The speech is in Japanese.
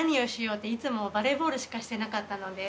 いつもバレーボールしかしてなかったので。